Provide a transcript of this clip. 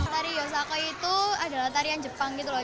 tari yosako itu adalah tarian jepang gitu loh